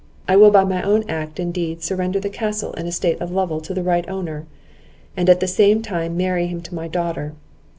I will by my own act and deed surrender the castle and estate of Lovel to the right owner, and at the same time marry him to my daughter.